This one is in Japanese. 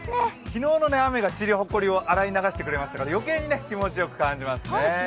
昨日の雨がちりやほこりを洗い流してくれましたから余計に気持ちよく感じますね。